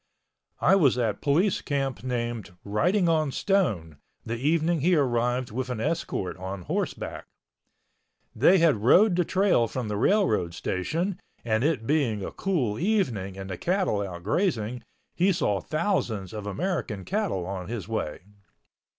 I was at Police Camp named Writing on Stone the evening he arrived with an escort on horseback. They had rode the trail from the railroad station and it being a cool evening and the cattle out grazing, he saw thousands of American cattle on his way.